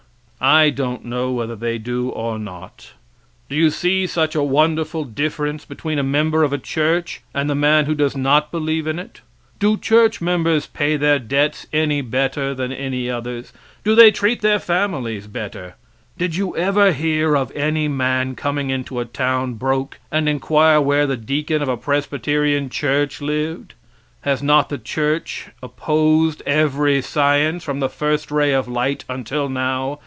I don't know whether they do or not. Do you see such a wonderful difference between a member of a church and the man who does not believe in it? Do church members pay their debts any better than any others? Do they treat their families any better? Did you ever hear of any man coming into a town broke and inquire where the deacon of a Presbyterian church lived? Has not the church opposed every science from the first ray of light until now?